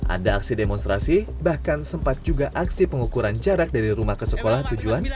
ada aksi demonstrasi bahkan sempat juga aksi pengukuran jarak dari rumah ke sekolah tujuan